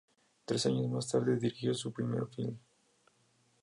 Tres años más tarde dirigió su primer film.